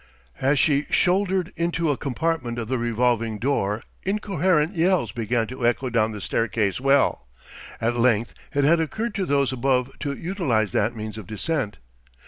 As she shouldered into a compartment of the revolving door incoherent yells began to echo down the staircase well. At length it had occurred to those above to utilize that means of descent.